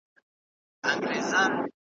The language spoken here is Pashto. ډیوه